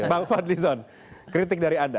bang fadlizon kritik dari anda